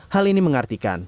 hal ini mengartikan